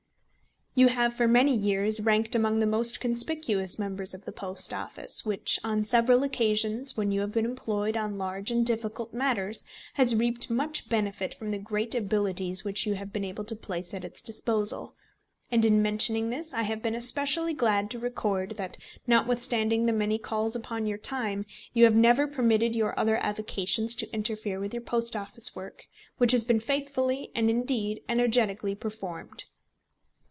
You have for many years ranked among the most conspicuous members of the Post Office, which, on several occasions when you have been employed on large and difficult matters, has reaped much benefit from the great abilities which you have been able to place at its disposal; and in mentioning this, I have been especially glad to record that, notwithstanding the many calls upon your time, you have never permitted your other avocations to interfere with your Post Office work, which has been faithfully and indeed energetically performed.